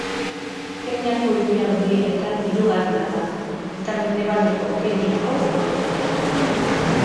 Kenyako hiri handienetan hirugarrena da, eta mendebaldeko Kenyako handiena.